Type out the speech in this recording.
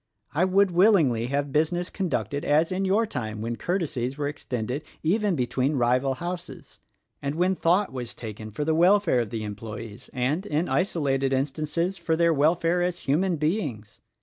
I would willingly have busi ness conducted as in your time when courtesies were extended even between rival houses, and when thought was taken for the welfare of the employees and, in isolated instances, for their welfare as human beings.